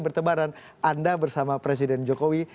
bertebaran anda bersama presiden jokowi